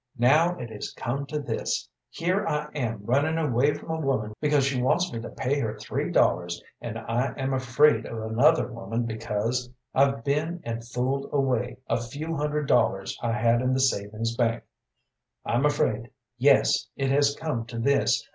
Now it has come to this! Here I am runnin' away from a woman because she wants me to pay her three dollars, and I am afraid of another woman because I've been and fooled away a few hundred dollars I had in the savings bank. I'm afraid yes, it has come to this.